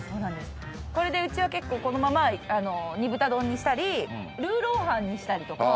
これでうちは結構このまま煮豚丼にしたりルーローハンにしたりとか。